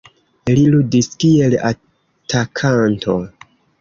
Li ludis kiel atakanto.